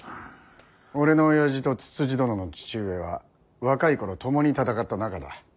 俺のおやじとつつじ殿の父上は若い頃共に戦った仲だ。